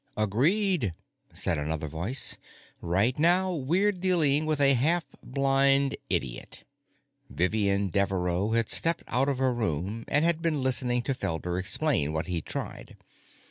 "Agreed," said another voice; "right now, we're dealing with a half blind idiot." Vivian Devereaux had stepped out of her room and had been listening to Felder explain what he'd tried.